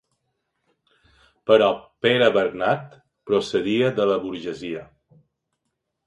Però Pere Bernat procedia de la burgesia.